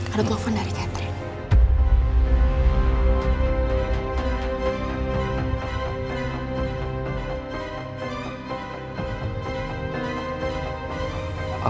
ada tuker dari catherine